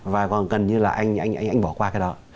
và còn gần như là anh bỏ qua cái đó